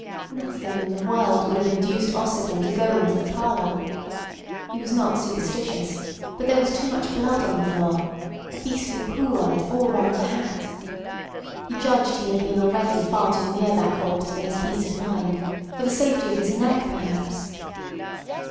Nothing in the world would have induced Ossipon to go into the parlour. He was not superstitious, but there was too much blood on the floor; a beastly pool of it all round the hat. He judged he had been already far too near that corpse for his peace of mind—for the safety of his neck, perhaps!